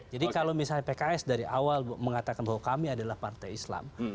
jadi kalau misalnya pks dari awal mengatakan bahwa kami adalah partai islam